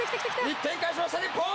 １点返しました、日本！